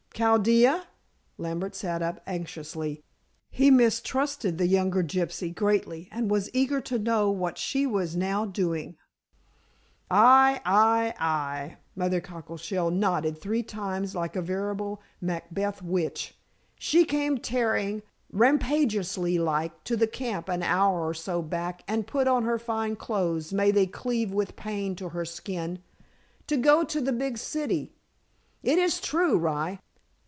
"Chaldea!" Lambert sat up anxiously. He mistrusted the younger gypsy greatly, and was eager to know what she was now doing. "Aye! Aye! Aye!" Mother Cockleshell nodded three times like a veritable Macbeth witch. "She came tearing, rampagious like, to the camp an hour or so back and put on her fine clothes may they cleave with pain to her skin to go to the big city. It is true, rye.